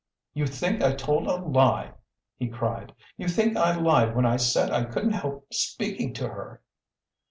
"You think I told a lie!" he cried. "You think I lied when I said I couldn't help speaking to her!"